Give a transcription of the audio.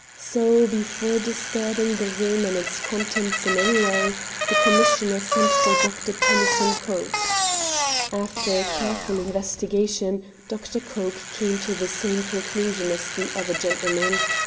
So, before disturbing the room and its contents in any way, the Commissioner sent for Dr. Tennyson Coke. After careful investigation Dr. Coke came to the same conclusion as the other gentlemen.